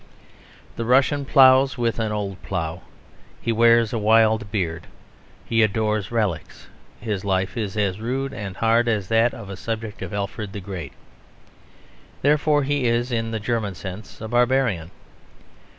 The Russ ploughs with an old plough; he wears a wild beard; he adores relics; his life is as rude and hard as that of a subject of Alfred the Great. Therefore he is, in the German sense, a barbarian.